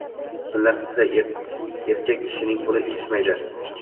Kunlar qisqa, erkak kishining qo`li etishmaydi